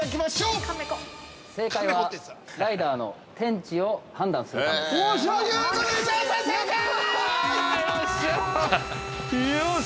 ◆正解は、ライダーの天地を判断するためです。